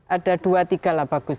ada dua tiga lah bagus